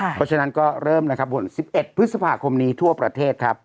เพราะฉะนั้นก็เริ่มนะครับผล๑๑พฤษภาคมนี้ทั่วประเทศครับ